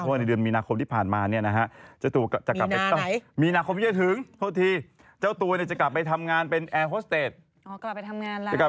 เพราะว่าในเดือนมีนาคมที่ผ่านมานะครับ